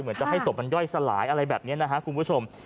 จะให้ศพมันย่อยสลายอะไรแบบนี้นะครับคุณผู้ชม